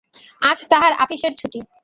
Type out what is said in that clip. আজ তাঁহার আপিসের ছুটি।